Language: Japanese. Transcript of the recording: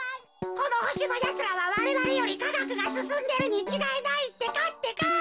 このほしのやつらはわれわれよりかがくがすすんでるにちがいないってかってか。